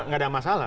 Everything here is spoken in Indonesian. nggak ada masalah